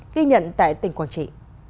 ghi nhận tại tỉnh quảng trị